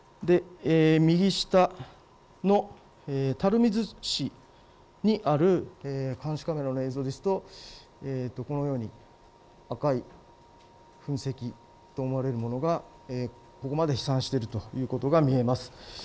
右下の垂水市にある監視カメラの映像ですとこのように赤い噴石と思われるものがここまで飛散しているということが見えます。